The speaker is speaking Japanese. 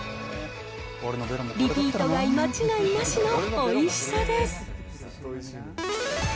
リピート買い間違いなしのおいしさです。